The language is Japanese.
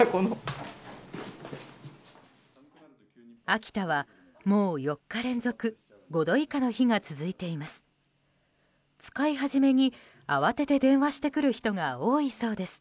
秋田はもう４日連続５度以下の日が続いています。